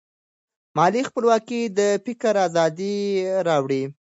مالي خپلواکي د فکر ازادي راوړي.